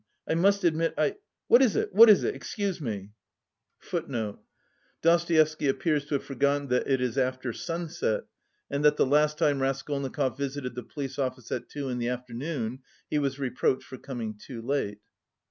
I must admit, I... what is it, what is it? Excuse me...." [*] Dostoevsky appears to have forgotten that it is after sunset, and that the last time Raskolnikov visited the police office at two in the afternoon he was reproached for coming too late.